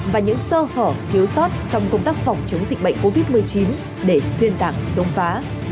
và những sơ hở thiếu sót trong công tác phòng chống dịch bệnh covid một mươi chín để xuyên tạc chống phá